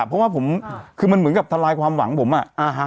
เพราะว่าผมคือมันเหมือนกับทลายความหวังผมอ่ะ